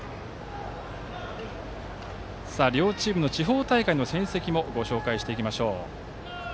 両チームの地方大会の戦績もご紹介していきましょう。